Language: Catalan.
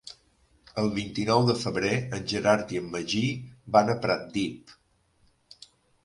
El vint-i-nou de febrer en Gerard i en Magí van a Pratdip.